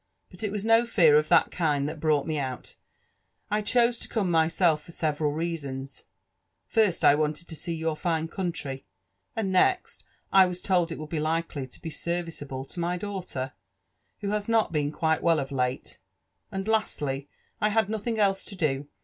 But it was no fear of tiiat kind that brought me out; I chose to come myself for several reasons: first, I wanted to see your fine country ; a|id next, I was told it would be likely to be serviceable to my daughter, who has not been quite well of late; and lastly, I had nothing else to do.